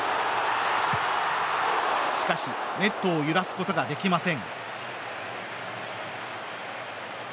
しかし、ネットを揺らすことができません。